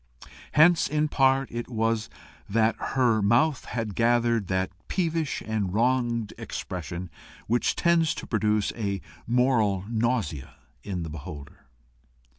Hence in part it was that her mouth had gathered that peevish and wronged expression which tends to produce a moral nausea in the beholder.